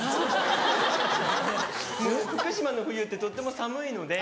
もう福島の冬ってとっても寒いので。